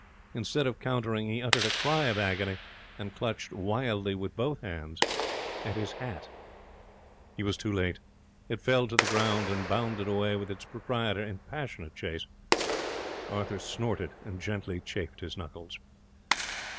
Instead of countering, he uttered a cry of agony, and clutched wildly with both hands at his hat. He was too late. It fell to the ground and bounded away, with its proprietor in passionate chase. Arthur snorted and gently chafed his knuckles.